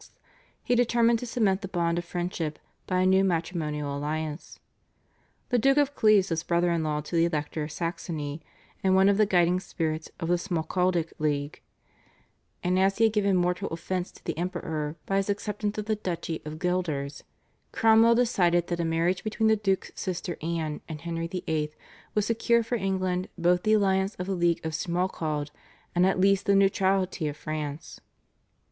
he determined to cement the bond of friendship by a new matrimonial alliance. The Duke of Cleves was brother in law to the Elector of Saxony and one of the guiding spirits of the Schmalkaldic League, and as he had given mortal offence to the Emperor by his acceptance of the Duchy of Guelders, Cromwell decided that a marriage between the Duke's sister, Anne, and Henry VIII. would secure for England both the alliance of the League of Schmalkald and at least the neutrality of France.